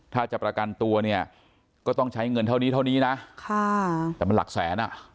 ถ้าจะประกันตัวเนี่ยก็ต้องใช้เงินเท่านี้เท่านี้นะแต่มันหลักแสนอ่ะ